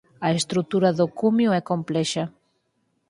A estrutura do cumio é complexa.